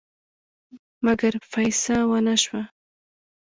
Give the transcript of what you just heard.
مګر فیصه ونه شوه.